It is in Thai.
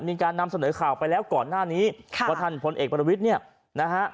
มีการนำเสนอข่าวไปแล้วก่อนหน้านี้ค่ะว่าท่านพลเอกประวิทย์เนี่ยนะฮะ